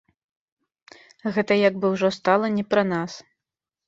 Гэта як бы ўжо стала не пра нас.